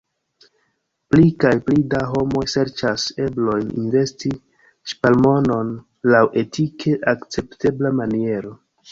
Pli kaj pli da homoj serĉas eblojn investi ŝparmonon laŭ etike akceptebla maniero.